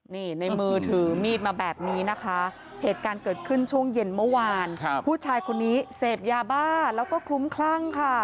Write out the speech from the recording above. นี่ในมือถือมีดมาแบบนี้นะคะเหตุการณ์เกิดขึ้นช่วงเย็นเมื่อวานผู้ชายคนนี้เสพยาบ้าแล้วก็คลุ้มคลั่งค่ะ